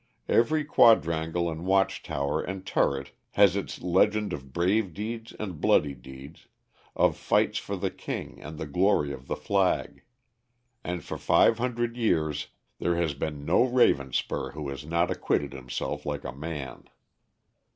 Every quadrangle and watch tower and turret has its legend of brave deeds and bloody deeds, of fights for the king and the glory of the flag. And for five hundred years there has been no Ravenspur who has not acquitted himself like a man.